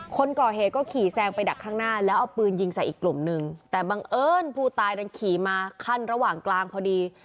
คนก่อเหตุก็ขี่แซงไปดักข้างหน้าแล้วเอาปืนยิงใส่อีกกลุ่มนึงแต่บังเอิญผู้ตายนั้นขี่มาขั้นระหว่างกลางพอดี